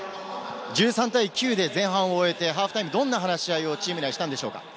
１３対９で前半を終えてハーフタイム、どんな話し合いをしたのでしょうか？